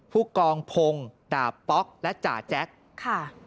ผู้กองพงศ์ดาบป๊อกและจ่าแจ๊คค่ะ